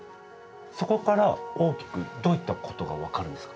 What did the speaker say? そこから大きくどういったことが分かるんですか？